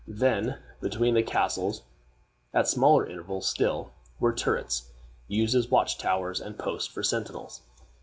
Then, between the castles, at smaller intervals still, were turrets, used as watch towers and posts for sentinels.